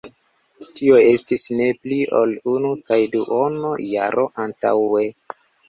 Tio estis ne pli ol unu kaj duono jaro antaŭe.